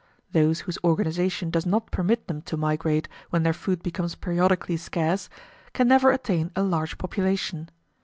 Those whose organization does not permit them to migrate when their food becomes periodically scarce, can never attain a large population.